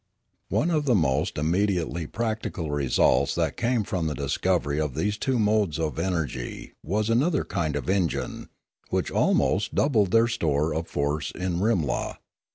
One of the most immediately practical results that came from the discovery of these two modes of energy was another kind of engine, which almost doubled their store of force in Rimla.